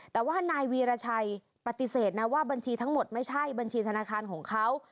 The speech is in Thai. แต่ว่านายวีรชัยปฏิเสธนะว่าบัญชีทั้งหมดไม่ใช่บัญชีธนาคารของเขา